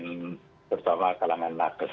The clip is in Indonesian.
terutama kalangan nakes